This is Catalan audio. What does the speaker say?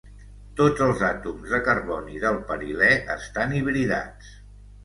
Tots els àtoms de carboni del perilè estan hibridats.